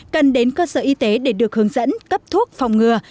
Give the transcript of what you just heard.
cần đến cơ sở y tế để được hướng dẫn cấp thuốc phòng ngừa